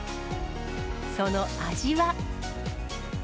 その味は。